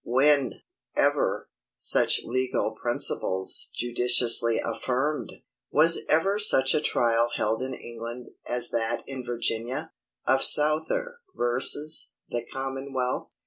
When, ever, such legal principles judicially affirmed? Was ever such a trial held in England as that in Virginia, of SOUTHER v. THE COMMONWEALTH?